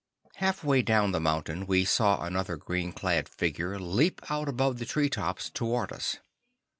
Half way down the mountain, we saw another green clad figure leap out above the tree tops toward us.